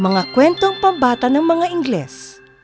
manga kuentong pembatanan manga ingles